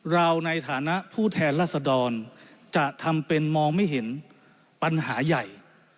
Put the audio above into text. เราในฐานะผู้แทนรัศดรจะทำเป็นมองไม่เห็นปัญหาใหญ่